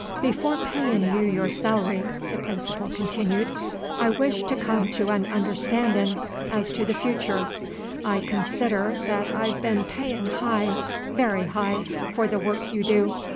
"Before payin' you your selary," the Principal continued, "I wish to come to an understandin' as to the futur'. I consider that I've been payin' high, very high, for the work you do.